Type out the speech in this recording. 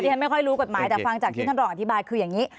ฉันไม่ค่อยรู้กฎหมายแต่ฟังจากที่ท่านรองอธิบายคืออย่างนี้